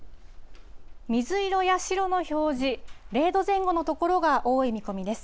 水色や白の表示、０度前後の所が多い見込みです。